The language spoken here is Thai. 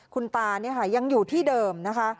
คุณตานี่ค่ะยังอยู่ที่เดิมนะคะ